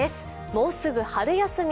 もうすぐ春休み。